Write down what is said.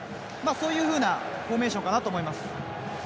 そういうふうなフォーメーションかなと思います。